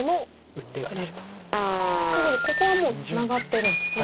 ウッテガエシです。ということでここはもうツナがってるんですね